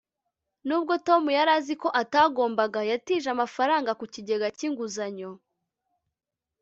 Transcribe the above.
nubwo tom yari azi ko atagomba, yatije amafaranga mu kigega cy'inguzanyo